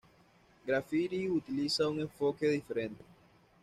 Graffiti utiliza un enfoque diferente.